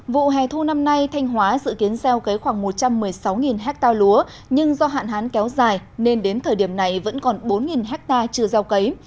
vụ hè thu năm nay thanh hóa dự kiến gieo cấy khoảng một trăm một mươi sáu ha lúa nhưng do hạn hán kéo dài nên đến thời điểm này vẫn còn bốn ha chưa gieo cấy